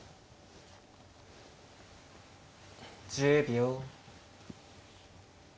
１０秒。